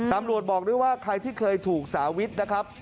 บอกด้วยว่าใครที่เคยถูกสาวิทนะครับ